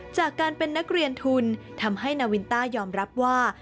จากการเป็นนักเรียนทุนทำให้นาวินต้ายอมรับว่า